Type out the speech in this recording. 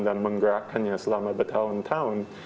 dan menggerakkannya selama bertahun tahun